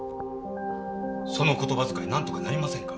その言葉遣いなんとかなりませんか？